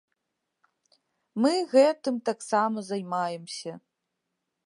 Мы гэтым таксама займаемся.